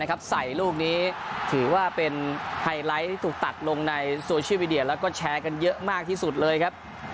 ใส่ลูกนี้ถือว่าเป็นไฮไลท์ที่ถูกตัดลงในโซเชียลมีเดียแล้วก็แชร์กันเยอะมากที่สุดเลยครับ